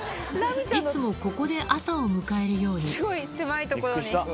いつもここで朝を迎えるようにすごい狭い所に。